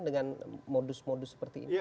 dengan modus modus seperti ini